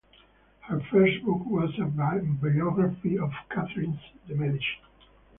Her first book was a biography of Catherine de' Medici.